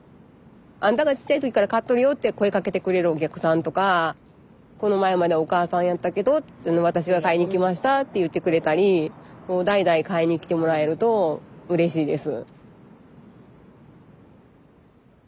「あんたがちっちゃい時から買っとるよ」って声かけてくれるお客さんとか「この前までお母さんやったけど私が買いに来ました」って言ってくれたりもう代々買いに来てもらえるとうれしいです。